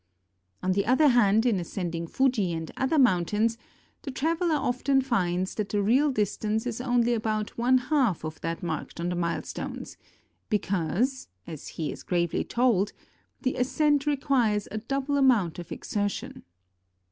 On the other hand, in ascending Fuji and other mountains, the traveler often finds that the real distance is only about one half of that marked on the milestones, because, as he is gravely told, the ascent requires a double amount of exertion.